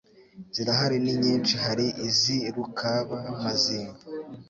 Zirahari ni nyinshi Hari iz'i Rukaba-mazinga,